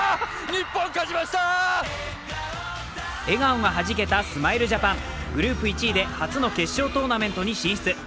笑顔がはじけたスマイルジャパン、グループ１位で初の決勝トーナメントに進出。